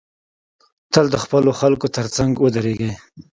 تل د خپلو خلکو تر څنګ ودریږی